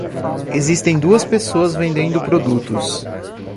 Existem duas pessoas vendendo produtos